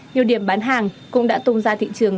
nhiều điểm bán hàng cũng đã tung ra thị trường